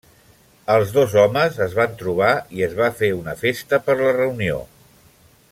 Els dos homes es van trobar i es va fer una festa per la reunió.